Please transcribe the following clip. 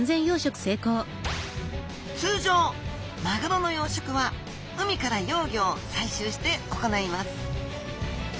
通常マグロの養殖は海から幼魚を採集して行います